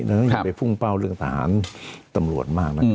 เราต้องไปพุ่งเป้าเรื่องทหารตำรวจมากนะ